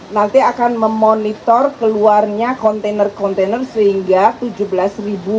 nanti akan memonitor keluarnya kontainer kontainer sehingga tujuh belas ribu